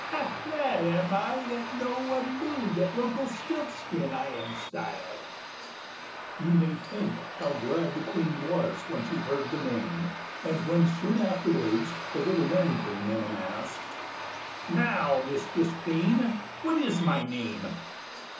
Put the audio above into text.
Ha! glad am I that no one knew That Rumpelstiltskin I am styled." You may think how glad the Queen was when she heard the name! And when soon afterwards the little man came in, and asked, "Now, Mistress Queen, what is my name?"